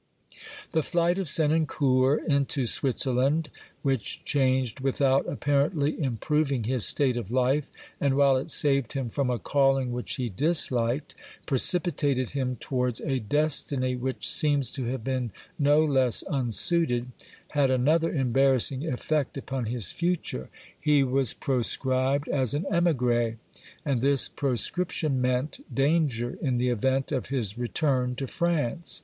The flight of Senancour into Switzerland, which changed without apparently improving his state of life, and while it saved him from a calling which he disliked precipitated him towards a destiny which seems to have been no less un suited, had another embarrassing effect upon his future ; he was proscribed as an emigre, and this proscription meant danger in the event of his return to France.